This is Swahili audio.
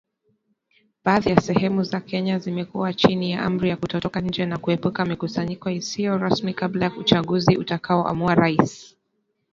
Baadhi ya sehemu za Kenya zimekuwa chini ya amri ya kutotoka nje na kuepuka mikusanyiko isiyo rasmi kabla ya uchaguzi utakao amua rais.